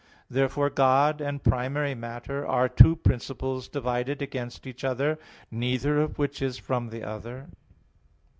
Therefore God and primary matter are two principles divided against each other, neither of which is from the other.